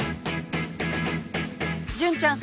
純ちゃん